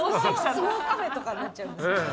相撲カフェとかになっちゃいます。